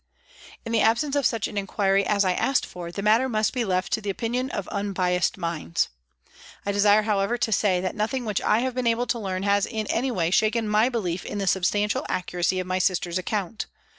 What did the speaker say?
" In the absence of such an inquiry as I asked for, the matter must be left to the opinion of unbiassed minds. I desire, however, to say that nothing which I have been able to learn has in any way shaken my belief in the substantial accuracy of my sister's account.